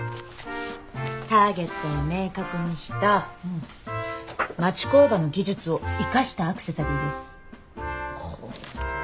ターゲットを明確にした町工場の技術を生かしたアクセサリーです。